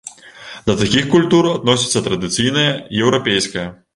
Да такіх культур адносіцца традыцыйная еўрапейская.